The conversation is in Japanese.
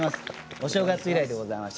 お正月以来でございます。